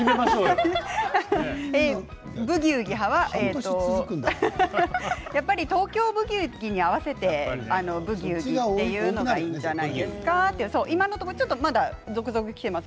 頭高「ブギウギ」派はやっぱり「東京ブギウギ」に合わせて「ブギウギ」がいいんじゃないですかと続々きています。